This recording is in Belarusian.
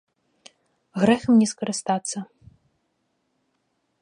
Грэх ім не скарыстацца.